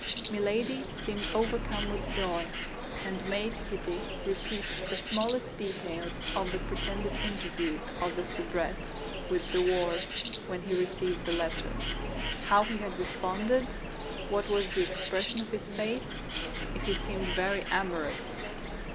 Milady seemed overcome with joy, and made Kitty repeat the smallest details of the pretended interview of the soubrette with De Wardes when he received the letter; how he had responded; what was the expression of his face; if he seemed very amorous.